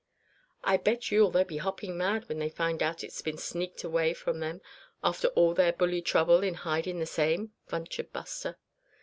"I bet you they'll be hoppin' mad when they find out it's been sneaked away from them after all their bully trouble in hidin' the same," ventured Buster.